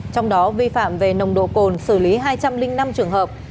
trong đó vi phạm về nồng độ cồn xử lý hai trăm linh năm trường hợp